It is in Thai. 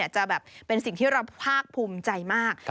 จะแบบเป็นสิ่งที่เราภาคภูมิใจมาก